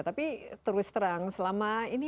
tapi terus terang selama ini